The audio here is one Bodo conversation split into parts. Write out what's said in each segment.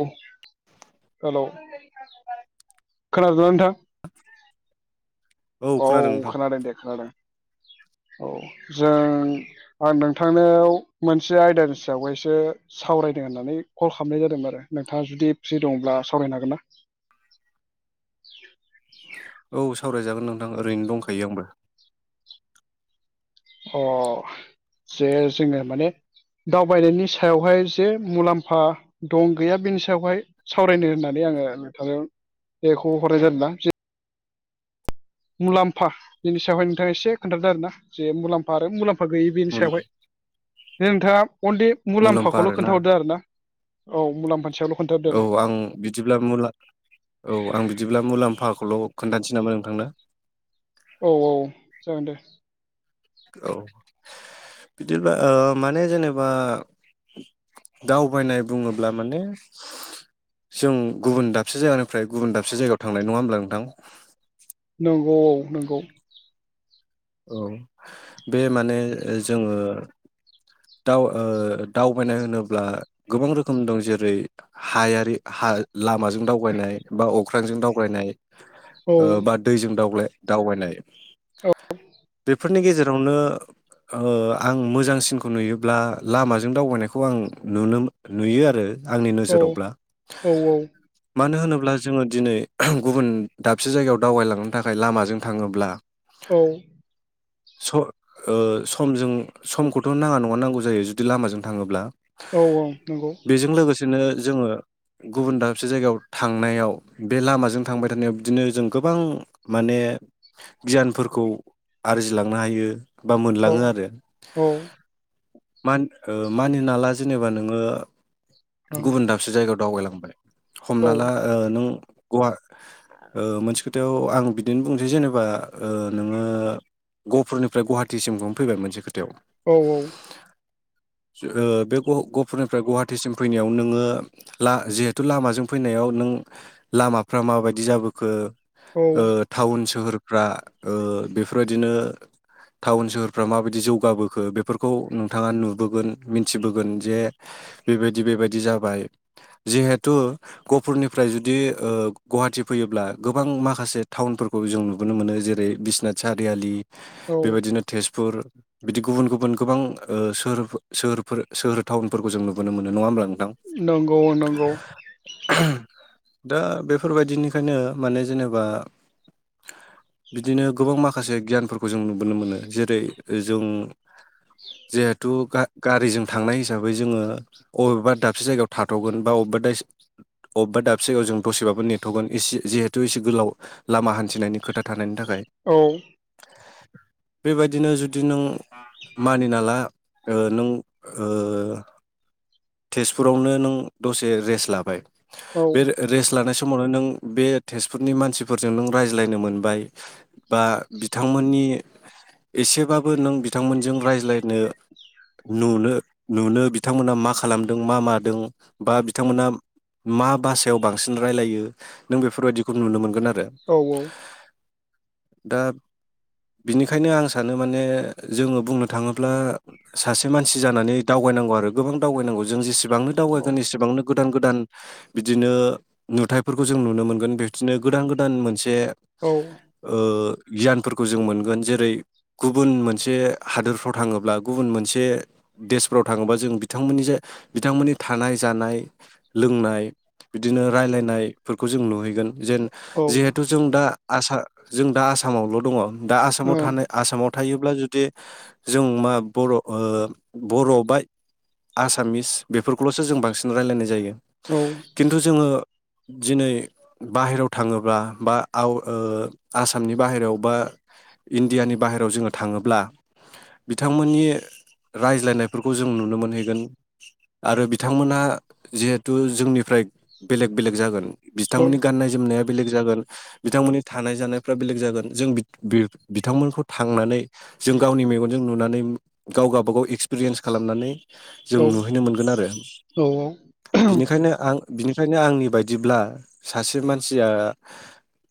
औ हेलौ खोनादोंना नोंथां? [inaudible] औ खोनादों दे खोनादों औ जों आं नोंथांनाव मोनसे आयदानि सायाव हायसो सावरायनो होननानै कल खालामनाय जादोंमोन आरो नोंथाङा जुदि फ्रि दङोब्ला सावरायनो हागोन ना? जागोन नोंथां ओरैनो दंखायो आंबो अ जे जोङो माने दावबायनायनि सायावहाय जे मुलाम्फा दं गैया बेनि सायावहाय सावरायनो होननानै आङो नोंथांनो बेखौ हरनाय जादों ना मुलाम्फा बेनि सायावहाय नोंथाङा एसे खोन्थादों आरोना जे मुलाम्फा आरो मुलाम्फा गैयि बेनि सायावहाय [unintelligible] अनलि मुलाम्फा मुलाम्फाखौल' आरोना खोन्थाहरदो आरो ना औ मुलाम्फानि सायावल' खोन्थादो औ दे आं बिदिब्ला मुला औ आं बिदिब्ला मुलाम्फाखौल' खोन्थानोसै नामा नोंथांनो औ औ जागोन दे औ बिदिब्ला ओ माने जेनेबा दावबायनाय बुङोब्ला माने जों गुबुन दाबसे जायगानिफ्राय गुबुन दाबसे जायगायाव थांनाय नङा होमब्ला नोंथां? नंगौ औ नंगौ औ बे माने जोङो दाव ओ दावबायनाय होनोब्ला गोबां रोखोम दं जेरै हायारि हा लामाजों दावबायनाय बा अख्रांजों दावबायनाय औ ओ बा ओ दैजों दावब्ले दावबायनाय औ बेफोरनि गेजेर यावनो ओ आं मोजांसिनख नुयोब्ला लामाजों दावबायनायखौ आं नुनो नुयो आरो आंनि औ नोजोरावब्ला औ मानो होनो ब्ला जोङो दिनै गुबुन दाबसे जायगायाव दावबायलांनो थाखाय लामाजों थाङोब्ला औ। स ओ समजों समखौ थ नाङा नङा नांगौ जायो जुदि लामाजों थाङोब्ला औ औ नंगौ बिदिनो जोङो गुबुन दाबसे जायगायाव थांनायाव बे लामाजों थांबाय थानायाव बिदिनो जों गोबां माने गियानफोरखौ आरजिलांनो हायो। बा औ मोनलाङो आरो औ ओं मान ओ मानिना ला जेनेबा नोङो औ गुबुन दाबसे जायगायाव दावगायलांबाय। हमना ला ओ नों ग आ ओ मोनसे खोथायाव आं बिदिनो बुंनोसै जेनेबा ओ नोङो गहपुरनिफ्राय गुवाहाटि सिम नआव फैबाय मोनसे खोथायाव औ औ उ बे गह-गहफुरनिफ्राय गुवाहाटिसिम फैनायाव नोङो ला जिहेथु लामाजों फैनायाव नों लामाफ्रा माबायदि जाबोखो औ अ टाउन सोहोर फ्रा ओ बेफोरबायदिनो टाउन सोहोरफ्रा माबायदि जौगाबोखो बे फोरखौ नोंथाङा नुबोगोन मिन्थिबोगोन जे बेबायदि बेबायदि जाबाय जिहेथु गहफुरनिफ्राय जुदि गुवाहाटि फैयोब्ला गोबां माखासे टाउनफोरखौ जों नुबोनो मोनो जेरै बिसनाथ सारियालि औ बेबादिनो तेजपुर बिदि गुबुन गुबुन गोबां ओ सोहोरफो सोहोरफोर सोहोर टाउनफोरखौ जों नुबोन मोनो नङा होमब्ला। नोंथां नंगौ नंगौ दा बेफोरबायदिनिखायनो माने जेनेबा बिदिनो गोबां माखासे गियानफोरखौ जों नुबोनो मोनो जेरै जों जिहेथु गा-गारिजों थांनाय हिसाबै जोङो अबेबा दाबसे जायगायाव थाथगोन बा अबेबा दासे अबेबा दाबसे जायगायाव जों दसेबाबो नेथगोन एसे जिहेथु एसे गोलाव लामा हान्थिनायनि खोथा थानायनि थाख औ बेबादिनो जुदि नों मानिना ला ओ नों ओ तेजपुरावनो नों दसे रेस्ट लाबाय औ बे रेस्ट लानाय स समावनो नों बे तेजपुरनि मानसिफोरजों नों रायज्लायनो मोनबाय बा बिथांमोननि एसेबाबो नों बि बिथांमोनजों रायज्लायनो नुनो -यनुनो बिथांमोना माखा खालामदों मा मादों बा बिथांमोना मा भासायाव बांसिन रायलायो नों बेफोरबायदिखौ नुनो मोनगोन आरो औ -औ दा बिनिखायनो आं सानो माने जोङो बुंनो थाङोब्ला सासे मानसि जानानै दावगायनांगौ आरो गोबां दावबायनांगौ जों जेसेबां बेबांनो दावबायगोन एसेबांनो गोदान गोदान बिदिनो नुथाइफोरखौ जों नुनो मोनगोन बिदिनो गोदान गोदान मोनसे जे औ अ गियानफोरखौ जों मोनगोन जेरै गुबुन मोनसे हादोरफ्राव थाङोब्ला गुबुन मोनसे देशफ्राव थाङोबा जों बि बिथांमोननि जे बिथांमोननि जेन औ जिहेथु जों दा आसा जों दा आसामावल दङ दा आसामाव थानाय आसामाव थायोब्ला जुदि जों मा बर' ओ बर' बा आसामिस बेफोरखौल'सो जों बांसिन रायलायनाय जायो। खिन्थु जोङो दिनै बाहेरायाव थाङोब्ला बा आ अ आसामनि बाहेरायाव बा इण्डियानि बाहेरायाव जोङो थाङोब्ला बिथांमोननि रायज्लायनायफोरखौ जों नुनो मोनहै आरो बिथांमोनहा जिहेथु जोंनिफ्राय बेलेग बेलेग जागोन बिथांमोननि गाननाय जोमनाया बेलेग जागोन बिथांमोननि थानाय जानायफ्रा बेलेग जागोन जों बिथ बि-बिथांमोनखौ थांनानै जों गावनि मेगनजों नुनानै गाव गावबागाव एक्सपिरियेन्स खालामनानै जों औ नुहैनो मोनगोन आरो बिनिखायनो आं बिनिखायनो आंनि बायदिब्ला सासे मानसिया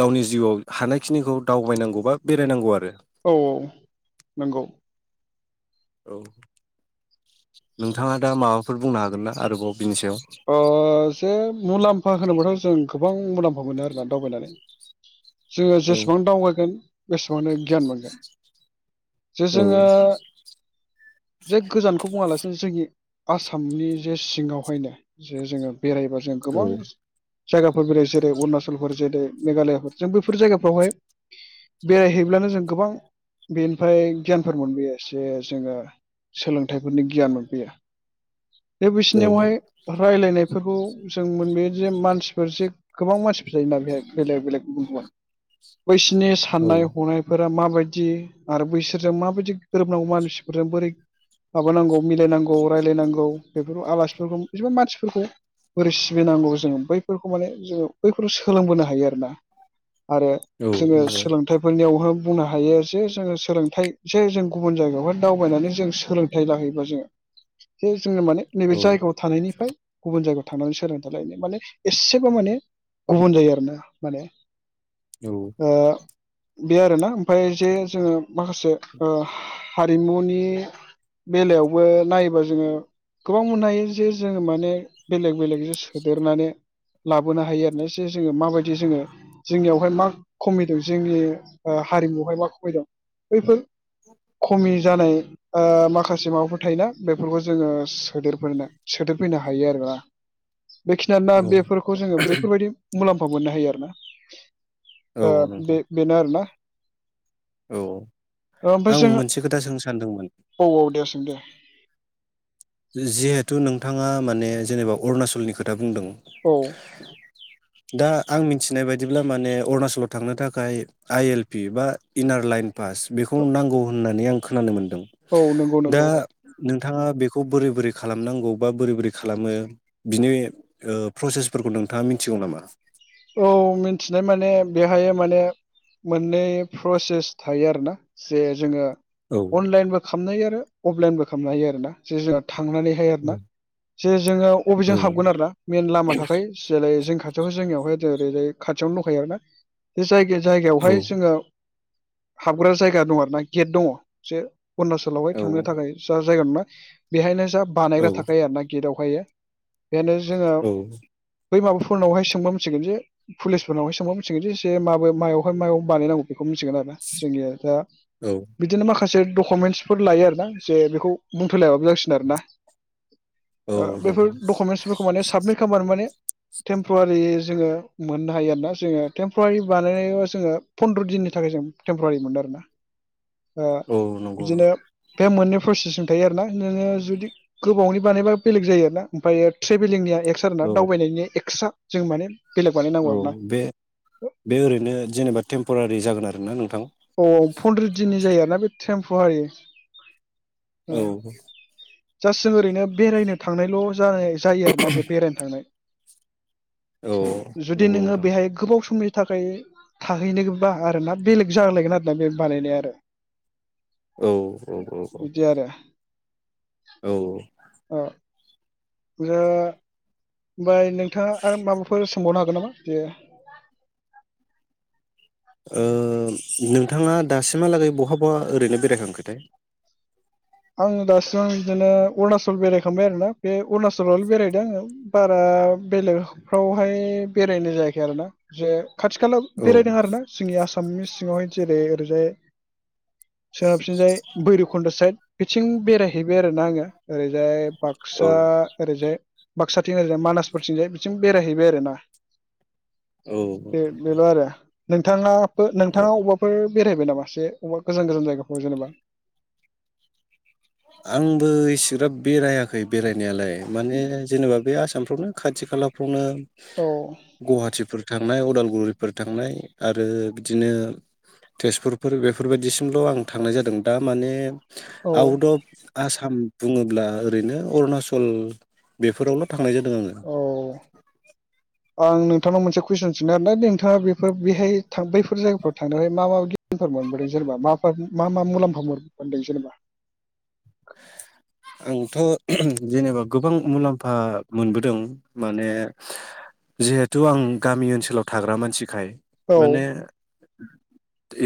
गावनि जिउआव हानायखिनिखौ दावबायनांगौ बा बेरायनांगौ आरो। औ औ नोंगौ औ। नोंथाङा दा माबाफोर बुंनो हागोन ना आरोबाव? बिनि सायाव अ जे मुलाम्फा होनोब्लाथ' जों गोबां मुलाम्फा मोनो आरोना दावबायनानै जोङो औ जेसेबां दावबायगोन गोसोआवनो गियान मोनगोन जे औ जोङो जे गोजानखौ बुङालासिनो जोंनि आसामनि जे सिङावहायनो जे जोङो बेरायबा जों औ गोबां स जायगाफोर बेर जेरै अरुणाचलफोर जेरै मेघालयाफोर जों बैफोर जायगाफोरावहाय बेरायहैब्लानो जों गोबां बेनिफ्राय गियानफोर मोनबोयो जे जोङो सोलोंथाइफोरनि गियान मोनबोयो। दा बिसोरनियावहाय रायलायनायफोरखौ जों मोनबोयो जे मानसिफोर जे गोबां मानसिफोर जायोना बेहाय बेलेग बेलेग बुहुआ बैसिनि औ साननाय हनायफोर माबायदि आरो बैसोरजों माबायदि गोरोबनांगौ मानसिफोरजों बोरै माबानांगौ मिलायनांगौ रायलायनांगौ बेफोर आलासिफोरखौ बिदिबां मानसिफोरखौ बोरै सिबिनांगौ जोङो बैफोरखौ माने जोङो बैफोरखौ सोलोंबोनो हायो आरो ना आरो औ जोङो नंगौ सोलोंथाइफोरनियावह बुंनो हायो जे जोङो सोलोंथाइ जे जों गुबुन जायगायावहाय दावबायनानै जों सोलोंथाइ लाहैयोबा जोङो जोङो माने नैबे औ जायगायाव बिनिफ्राय गुबुन जायगायाव थांनानै सोलोंथाइ लनो माने एसेब माने गुबुन जायो आरो ना माने औ ओ बे आरोना ओमफाय जे जोङो माखासे ओ हा-हारिमुनि बेलायावबो नायोबा जोङो गोबां मोननो हायो। जे जोङो माने बेलेग बेलेग जे सोदेरनानै लाबोनो हायो आरो ना जे जोङो माबायदि जोङो जोंनियावहाय मा खमायदों जोंनि ओ हारिमुआवहाय मा खमायदों बैफोर खमि जानाय ओ माखासे माबाफोर थायोना बेफोरखौ जोङो सोदेरफोरनो सोदेर फैनो हायो आरो ना बेखिनियानो ना बेफोरखौ जोङो बेफोरबायदि मुलाम्फा मोननो हायो आरो ना औ ओ औ नंगौ बे बेनो आरो ना औ ओमफ्राय आं जोङो मोनसे खोथा सोंनो सानदोंमोन औ औ दे सों दे जिहेथु नोंथाङा माने जेनेबा अरुणाचलनि खोथा बुंदों औ दा आं मिथिनाय बायदिब्ला माने अरुणाचलाव थांनो थाखाय आइ एल पि बा इनार लाइन पास बेखौ नांगौ होननानै आं खोनानो मोन औ नंगौ नंगौ औ नोंथाङा बे खौ बोरै बोरै खालामनांगौ बा बोरै बोरै खालामो बिनि प्रसेसफोरखौ नोंथाङा मिथिगौ नामा औ मिथिनाय माने बेहाय माने मोननै प्रसेस थायो आरो ना जे जोङो औ अनलाइनबो खामनाय आरो। अफलाइन बबो खालामनो हायो आरो ना जे जुन थांनानैहाय औ आरोना जे जोङो औ अबेजों हाबगोन आरोोना मेन लामा थाखाय जाय जों खाथि बे जोंनियावहाय एरैजाय खाथियावनो दंखायो आरो ना बे जायगायाव औ जायगायावहाय जोङो हाबग्रा जायगा दं आरो ना गेट दङ जे अरुणाचलावहाय औ थांनो थाखाय जा जायगा मोनबाय बेहायलाय बानायग्रा औ थाखाय आरो ना गेटआव मायो बेयानो जोङो, औ बै माबाफोरावहाय सोंबा मि मिथिगोन जे पुलिसफोरनावहाय सोंबा मिथिगोन जे जे माबे मायावहाय मायाव बानायनांगौ बेखौ मिथिगोन आरो जोंनिया दा, औ बिदिनो माखा माखासे डकुमेन्टसफोर लायो आरो ना जे बेखौ बुंथलायबाबो जासिगोन आरो ना। औ ओ बैफोर नंगौ डकुमेन्टसफोरखौ माने साबमिट खालामबानो माने, टेमप्रवारि जोङो मोननो हायो आरोना जोङो टेमप्रवारि बानायनाया जोङो फन्द्र दिननि थाखाय जों टेमप्रवारि मोनो आरोना ओ औ नंगौ बिदिनो बे मोननै प्रसेसजों थायो आरोना नोङो जुदि गोबावनि बानायबा बेलेग जायो आरोना ओमफ्रायो ट्रेभेलिंनिया एक्स्रा आरो ना औ दावबायनायनि एक्स्रा। जों माने बेलेग बानायनांगौ औ आरोना बे बे ओरैनो जेनेबा टेम्परारि जागोन आरोना नोंथां। औ फन्द्र दिननि जायो आरोना बे टेमप्रवारि औ जास्ट जों ओरैनो बेरायनो थांनायल जा-जायो आरोना बे बेरायनो थांनाय औ जुदि नंगौ नोङो नोंथां बेहाय गोबाव समनि थाखाय थाहैनोबा आरोना बेलेग जालायगोन आरोदा बेक बानायनाया आरो औ, औ, औ, औ। बिदि आरो औ। औ [unintelligible] बाय नोंथाङा आरो माबाफोर सोंबावनो हागोन? गौ नामा ओ ओ नोंथाङा दासिमहालागै बहा बहा ओरैनो बेरायखांखोथाय? आङो दासिम बिदिनो अरुणाचल बेरायखांबाय आरोना बे अरुणाचलावनो बेरायदों बारा बेलेगफ्रावहाय बेरायनाय जायाखै आरोना जे खाथि खालायाव औ बेरायदों आरोना जोंनि आसामिस ओ जेरै ओरैजाय ओ बिथिंजाय भैरबखुन्द साइड, बिथिं बेरायहैबाय आरोना आङो ओरैजाय, औ बाक्सा ओरैजाय बाक्साथिं ओरैजाय मानासफोरथिंजाय बिथिं बेरायहैबाय आरोना। औ नोंथां। नोंथांङा नोंथाङा अबबाफोर बेरायबाय नामा एसे अबेबा गोजान गोजान जायगाफोराव जेनेबा? आंबो इसेग्राब बेरायाखै बेरायनायालाय माने जेनेबा बे आसामफ्रावनो खाथि खालाफ्रावनो औ गुवाहाटिफोर थांनाय उदालगुरिफोर थांनाय आरो बिदिनो तेजपुरफोर बेफोरबायदिसिमल' आं थांनाय जादों दा माने औ आउट अफ आसाम बुङोब्ला ओरैनो अरुणाचल बेफोरावल थांनाय जादों आंङो। औ आं नोंथांनाव मोनसे कुइसन सोंनो आरो ना नोंथाङा बेफोर बेहाय थां बैफोर जायगाफोराव थांनानै मा मा गियानफोर मोनबोदों जेनेबा मा मा मा मुलाम्फा मोनबोदों जेनेबा? आंथ' जेनेबा गोबां मुलाम्फा मोनबोदों माने जिहेथु आं गामि ओनसोलाव थाग्रा मानसिखाय औ माने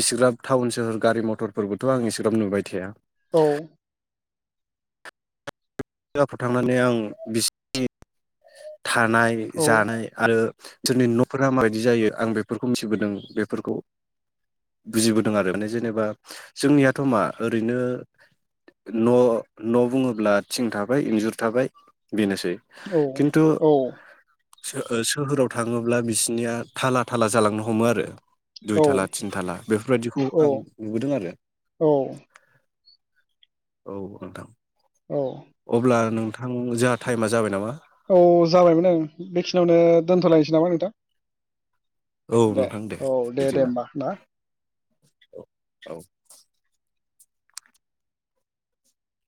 इसेग्राब टाउन सोहोर गारि मथरफोरबोथ आं इसेग्राब नुबाय थाया। औ। दाफोर थांनानै आं बिसिनि थानाय औ जानाय आरो जोंनि न'फोरा माबायदि जायो आं बेफोरखौ मिथिबोदों बेफोरखौ बुजिबोदों आरो माने जेनेबा जोंनियाथ' मा ओरैनो न' न' बुङोब्ला, थिं थाबाय इन्जुर थाबाय बेनोसै औ खिन्थु, औ सो-सोहोराव थाङोब्ला बिसनिया थाला थाला जालांनो हमो आरो दुइ थाला थिन थाला बेफोरबायदिखौ औ आं नुबोदों आरो। औ औ नोंथां। औ अब्ला नोंथां जा टाइमा जाबाय नामा? औ जाबायमोन आं बेखिनियावनो दोन्थलायनोसै नामा नोंथां? औ दे नोंथां औ दे दे बिदिब्ला होमबा ना। औ औ